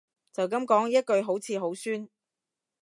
就噉講一句好似好酸